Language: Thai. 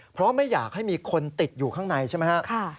เพราะไม่อยากให้มีคนติดอยู่ข้างในใช่ไหมครับ